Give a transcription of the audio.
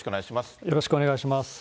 よろしくお願いします。